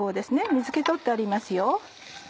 水気取ってありますよ。